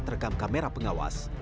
terekam kamera pengawas